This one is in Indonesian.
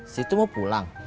situ mau pulang